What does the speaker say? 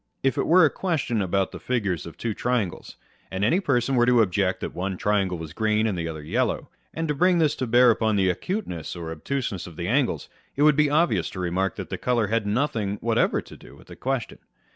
If it were a question about the figure of fcwo triangles, and any person were to object that one triangle was green and the other yellow, and bring this to bear upon the acuteness or obtuseness of the angles, it would be obvious to remark that the colour had nothing to do with the question.